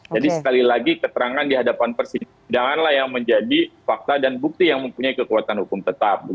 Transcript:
jadi sekali lagi keterangan di hadapan persidangan lah yang menjadi fakta dan bukti yang mempunyai kekuatan hukum tetap